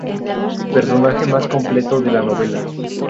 Personaje más completo de la novela.